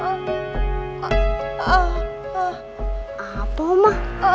laci mau dibuka